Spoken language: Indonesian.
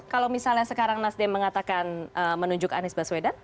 kalau misalnya sekarang nasdem mengatakan menunjuk anies baswedan